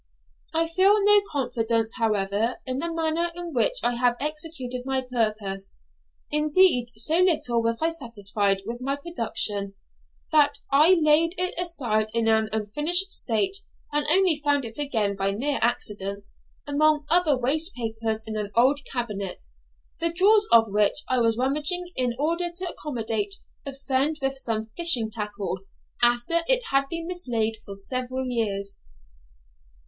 I feel no confidence, however, in the manner in which I have executed my purpose. Indeed, so little was I satisfied with my production, that I laid it aside in an unfinished state, and only found it again by mere accident among other waste papers in an old cabinet, the drawers of which I was rummaging in order to accommodate a friend with some fishing tackle, after it had been mislaid for several years.